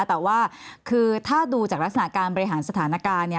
แต่ว่าคือถ้าดูจากลักษณะการบริหารสถานการณ์